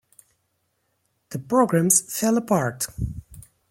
The programs fell apart.